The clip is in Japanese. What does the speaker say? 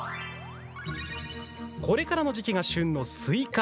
これからの時期が旬のスイカ。